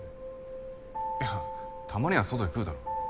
いやたまには外で食うだろ？